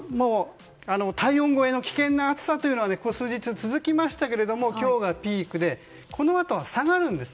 体温超えの危険な暑さがここ数日続きましたが今日はピークでこのあとは下がるんです。